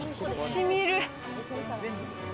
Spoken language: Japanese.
しみる！